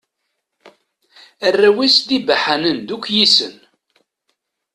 Arraw-is d ibaḥanen, d ukyisen.